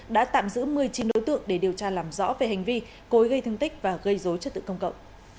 đã tạm giữ một mươi chín đối tượng để điều tra làm rõ về hành vi cối gây thương tích và gây dối trật tự công cộng